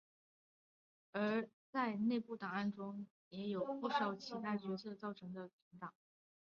而在内部档案中也有不少其他角色造成的存档。